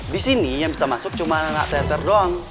disini yang bisa masuk cuma anak anak teater doang